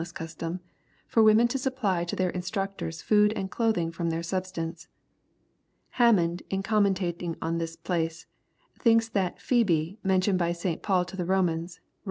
Vni. 249 less costcia, for women to supply to their instruotors food and clothing from their substance. Hammond, in commenting on this place, thinks that PhcebOi mentioned by St. Paul to the Romans, (Rom.